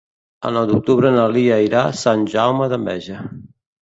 El nou d'octubre na Lia irà a Sant Jaume d'Enveja.